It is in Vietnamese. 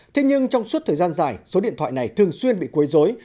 thế nhưng trong suốt thời gian dài số điện thoại này thường xuyên bị quấy dối